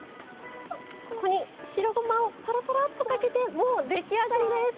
ここに白ごまをぱらぱらっとかけてもう出来上がりです！